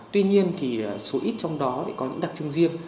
tuy nhiên thì số ít trong đó lại có những đặc trưng riêng